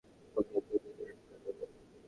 ওকে একদম ভেতরে পুরে দেবো।